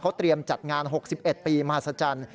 เขาเตรียมจัดงาน๖๑ปีมหัศจรรย์